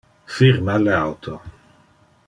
Firma le auto.